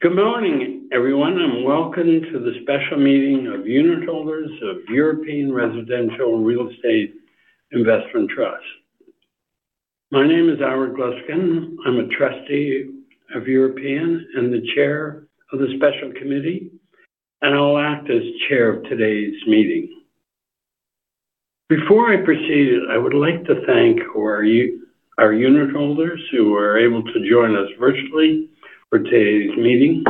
Good morning, everyone, and welcome to the special meeting of unitholders of European Residential Real Estate Investment Trust. My name is Ira Gluskin. I'm a trustee of European and the chair of the Special Committee, and I'll act as chair of today's meeting. Before I proceed, I would like to thank our unitholders who are able to join us virtually for today's meeting.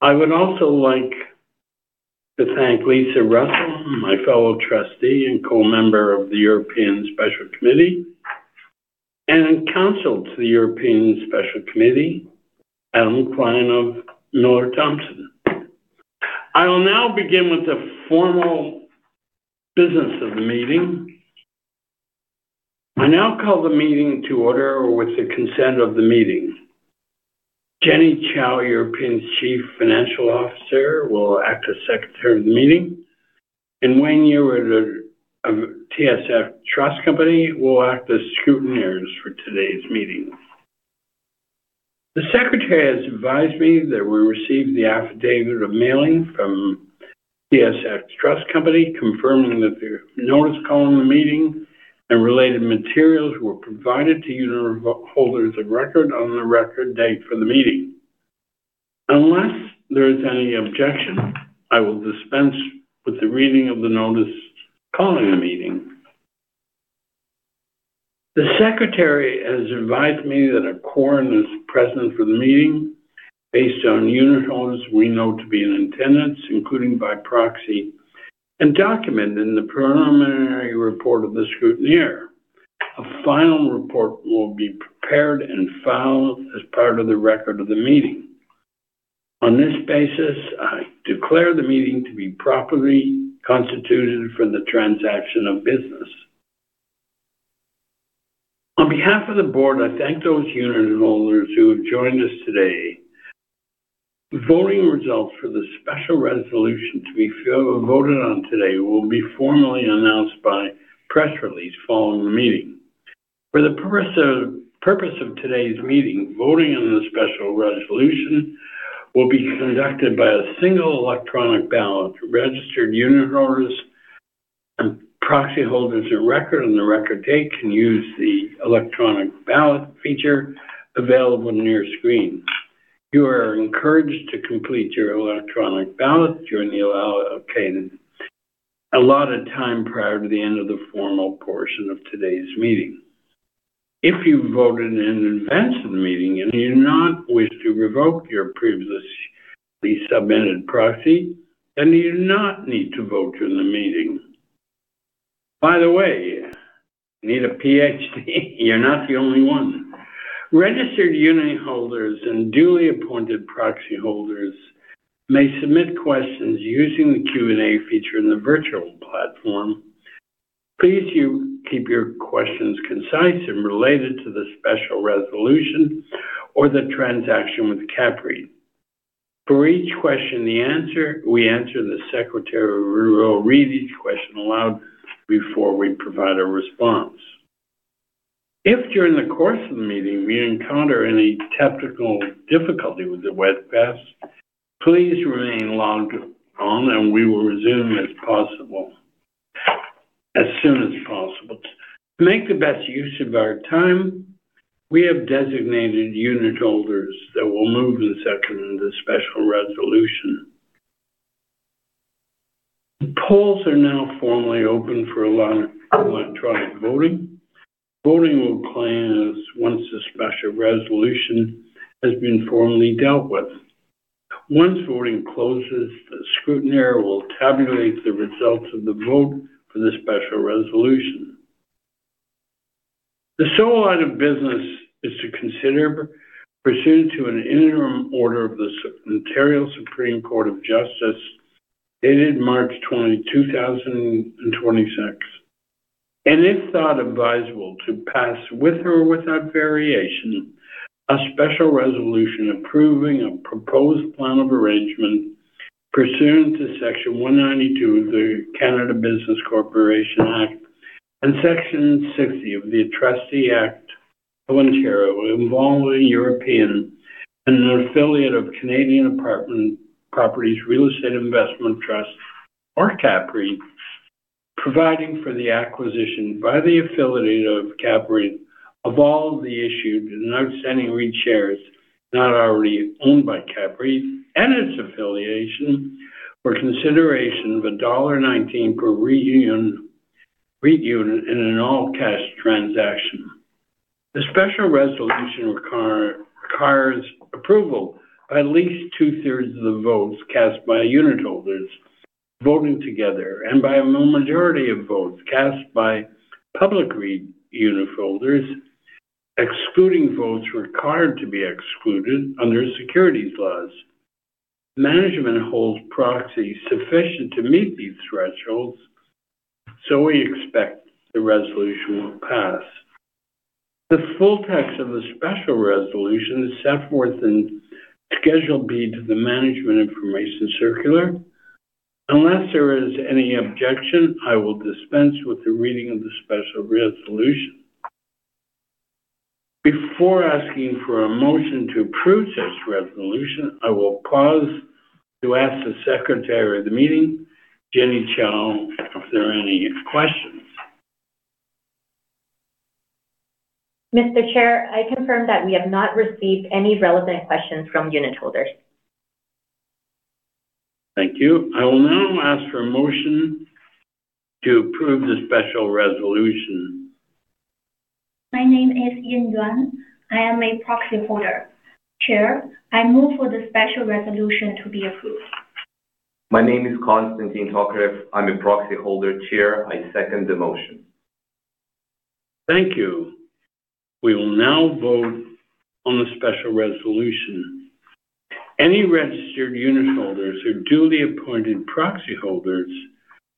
I would also like to thank Lisa Russell, my fellow trustee and co-member of the European Special Committee, and counsel to the European Special Committee, Adam Kline of Miller Thomson. I will now begin with the formal business of the meeting. I now call the meeting to order with the consent of the meeting. Jenny Chou, European Chief Financial Officer, will act as secretary of the meeting, and Wayne Ewer of TSX Trust Company will act as scrutineers for today's meeting. The secretary has advised me that we received the affidavit of mailing from TSX Trust Company, confirming that the notice calling the meeting and related materials were provided to unitholders of record on the record date for the meeting. Unless there is any objection, I will dispense with the reading of the notice calling the meeting. The secretary has advised me that a quorum is present for the meeting based on unitholders we know to be in attendance, including by proxy and documented in the preliminary report of the scrutineer. A final report will be prepared and filed as part of the record of the meeting. On this basis, I declare the meeting to be properly constituted for the transaction of business. On behalf of the board, I thank those unitholders who have joined us today. The voting results for the special resolution to be voted on today will be formally announced by press release following the meeting. For the purpose of today's meeting, voting on the special resolution will be conducted by a single electronic ballot. Registered unitholders and proxy holders of record on the record date can use the electronic ballot feature available on your screen. You are encouraged to complete your electronic ballot during the allotted time prior to the end of the formal portion of today's meeting. If you voted in advance of the meeting and you do not wish to revoke your previously submitted proxy, then you do not need to vote during the meeting. By the way, need a PhD, you're not the only one. Registered unitholders and duly appointed proxy holders may submit questions using the Q&A feature in the virtual platform. Please keep your questions concise and related to the special resolution or the transaction with CAPREIT. For each question, the secretary will read each question aloud before we provide a response. If during the course of the meeting we encounter any technical difficulty with the webcast, please remain logged on, and we will resume as soon as possible. To make the best use of our time, we have designated unitholders that will move the section of the special resolution. The polls are now formally open for electronic voting. Voting will close once the special resolution has been formally dealt with. Once voting closes, the scrutineer will tabulate the results of the vote for the special resolution. The sole item of business is to consider pursuant to an interim order of the Ontario Superior Court of Justice dated March 20, 2026. It's thought advisable to pass, with or without variation, a special resolution approving a proposed plan of arrangement pursuant to Section 192 of the Canada Business Corporations Act and Section 60 of the Trustee Act of Ontario involving European and an affiliate of Canadian Apartment Properties Real Estate Investment Trust, or CAPREIT, providing for the acquisition by the affiliate of CAPREIT of all the issued and outstanding REIT shares not already owned by CAPREIT and its affiliation for consideration of dollar 1.19 per REIT unit in an all-cash transaction. The special resolution requires approval by at least two-thirds of the votes cast by unitholders voting together and by a majority of votes cast by public REIT unitholders, excluding votes required to be excluded under securities laws. Management holds proxy sufficient to meet these thresholds, so we expect the resolution will pass. The full text of the special resolution is set forth in Schedule B to the Management Information Circular. Unless there is any objection, I will dispense with the reading of the special resolution. Before asking for a motion to approve this resolution, I will pause to ask the secretary of the meeting, Jenny Chou, if there are any questions. Mr. Chair, I confirm that we have not received any relevant questions from unitholders. Thank you. I will now ask for a motion to approve the special resolution. My name is Yin Yuan. I am a proxyholder. Chair, I move for the special resolution to be approved. My name is Konstantin Tokarev, I'm a proxyholder. Chair, I second the motion. Thank you. We will now vote on the special resolution. Any registered unitholders or duly appointed proxyholders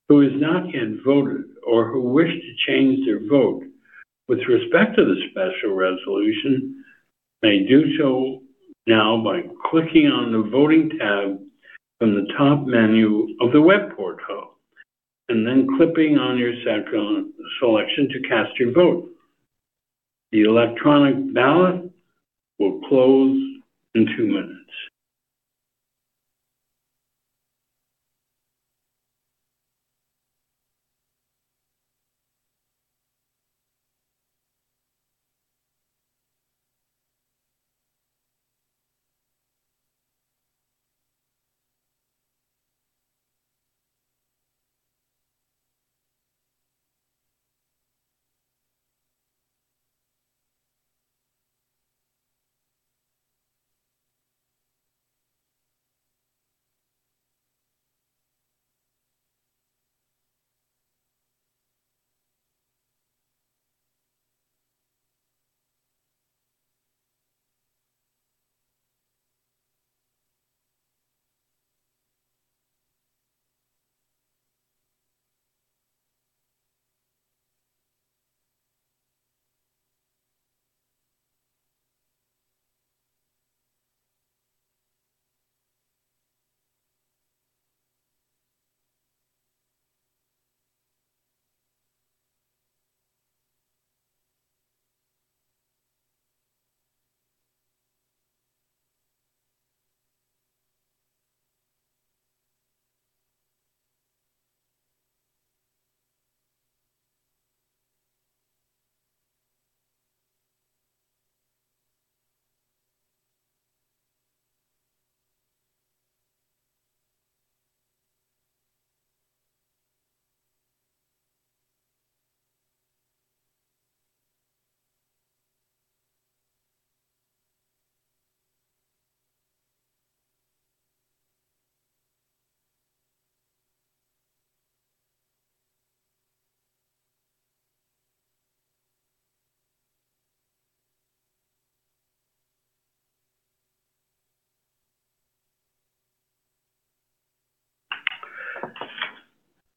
who has not yet voted or who wish to change their vote with respect to the special resolution may do so now by clicking on the Voting tab from the top menu of the web portal and then clicking on your selection to cast your vote.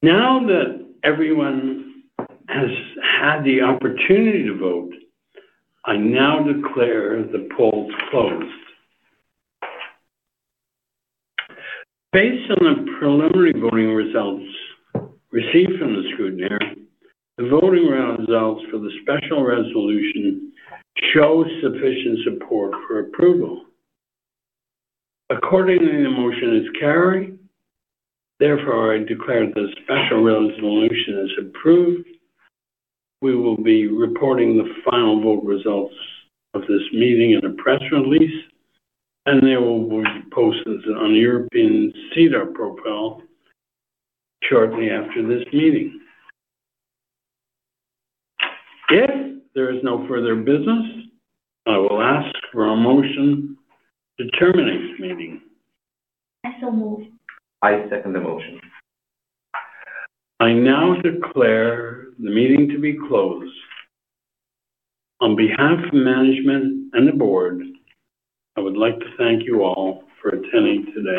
The electronic ballot will close in two minutes. Now that everyone has had the opportunity to vote, I now declare the polls closed. Based on the preliminary voting results received from the scrutineer, the voting results for the special resolution shows sufficient support for approval. Accordingly, the motion is carried. Therefore, I declare the special resolution is approved. We will be reporting the final vote results of this meeting in a press release, and they will be posted on European SEDAR+ profile shortly after this meeting. If there is no further business, I will ask for a motion to terminate this meeting. I so move. I second the motion. I now declare the meeting to be closed. On behalf of management and the board, I would like to thank you all for attending today.